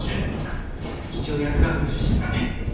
一応薬学部出身なんで。